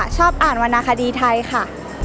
ชอบอ่านวรรณคดีไทยค่ะ